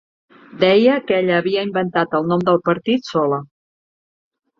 Deia que ella havia inventat el nom del partit sola.